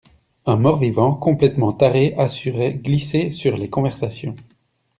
Un mort-vivant complètement taré assurait glisser sur les conversations.